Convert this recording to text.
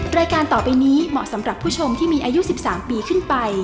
รายการต่อไปนี้เหมาะสำหรับผู้ชมที่มีอายุ๑๓ปีขึ้นไป